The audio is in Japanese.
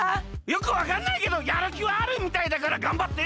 よくわかんないけどやるきはあるみたいだからがんばって！